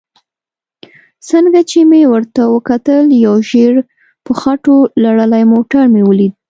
څنګه چې مې ورته وکتل یو ژېړ په خټو لړلی موټر مې ولید.